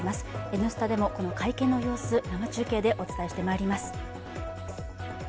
「Ｎスタ」でもこの会見の様子生中継でお伝えしてまいります。